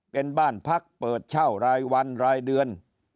เป็นบ้านพักเปิดเช่ารายวันรายเดือน